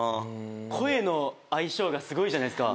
声の相性がすごいじゃないですか。